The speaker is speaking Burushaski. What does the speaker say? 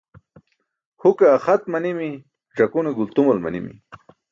Huke axat manimi, ẓakune gultumal manimi.